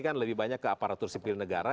kan lebih banyak ke aparatur sipil negara